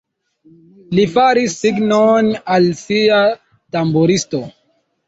Li faris signon al sia tamburisto.